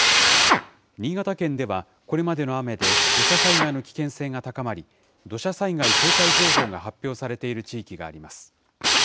新潟県ではこれまでの雨で、土砂災害の危険性が高まり、土砂災害警戒情報が発表されている地域があります。